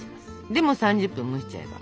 で３０分蒸しちゃえば。